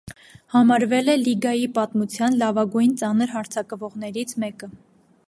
Համարվել է լիգայի պատմության լավագույն ծանր հարձակվողներից մեկը։